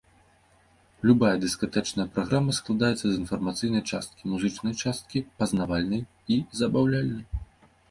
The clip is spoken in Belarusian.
Любая дыскатэчная праграма складаецца з інфармацыйнай часткі, музычнай часткі, пазнавальнай і забаўляльнай.